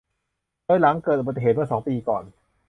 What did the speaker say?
โดยหลังเกิดอุบัติเหตุเมื่อสองปีก่อน